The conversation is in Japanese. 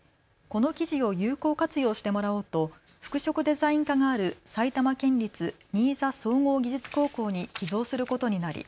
この生地を有効活用してもらおうと服飾デザイン科がある埼玉県立新座総合技術高校に寄贈することになり